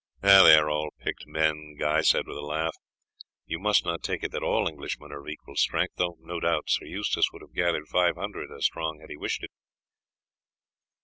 "They are all picked men," Guy said with a laugh. "You must not take it that all Englishmen are of equal strength, though no doubt Sir Eustace could have gathered five hundred as strong had he wished it."